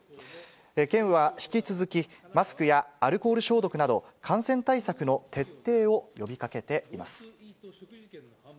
県は引き続き、マスクやアルコール消毒など、感染対策の徹底を呼びかけています。